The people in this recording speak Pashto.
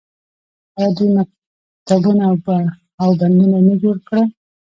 آیا دوی مکتبونه او بندونه نه جوړ کړل؟